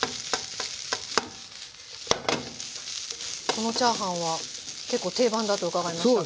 このチャーハンは結構定番だと伺いましたが。